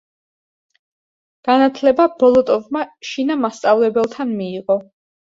განათლება ბოლოტოვმა შინა მასწავლებელთან მიიღო.